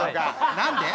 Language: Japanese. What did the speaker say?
何で？